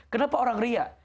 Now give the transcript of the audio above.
kenapa orang riak